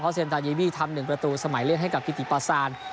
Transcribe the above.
เพราะเซ็นตาเยบีทำ๑ประตูสมัยเลี่ยงให้กับพิธีปาซาน